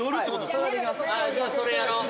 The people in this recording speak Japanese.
それやろう。